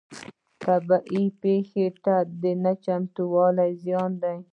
طبیعي پیښو ته نه چمتووالی زیان دی.